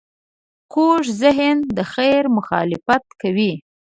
کوږ ذهن د خیر مخالفت کوي